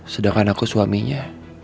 sedangkan aku suaminya